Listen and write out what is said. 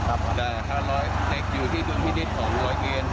แต่ถ้าเด็กอยู่ที่ต้นพิฤตของร้อยเกรน